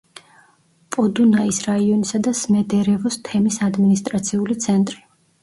პოდუნაის რაიონისა და სმედერევოს თემის ადმინისტრაციული ცენტრი.